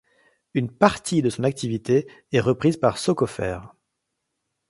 Une partie de son activité est reprise par Socofer.